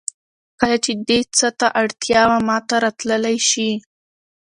کله چې دې څه ته اړتیا وه ماته راتللی شې